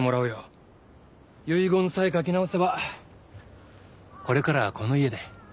遺言さえ書き直せばこれからはこの家で。